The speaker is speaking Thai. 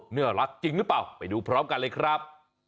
น่ารักจริงหรือเปล่าไปดูพร้อมกันเลยครับ